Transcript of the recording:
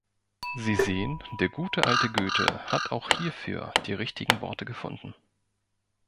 Sie sehen, der gute alte Goethe hat auch hierfür die richtigen Worte gefunden.